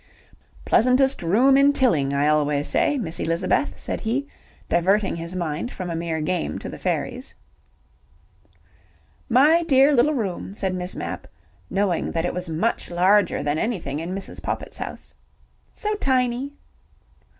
"Pleasantest room in Tilling, I always say, Miss Elizabeth," said he, diverting his mind from a mere game to the fairies. "My dear little room," said Miss Mapp, knowing that it was much larger than anything in Mrs. Poppit's house. "So tiny!"